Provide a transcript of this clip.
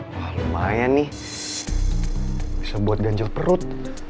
wah lumayan nih bisa buat ganjil perut